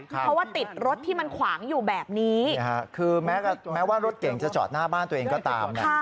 เพราะว่าติดรถที่มันขวางอยู่แบบนี้คือแม้ว่ารถเก่งจะจอดหน้าบ้านตัวเองก็ตามนะ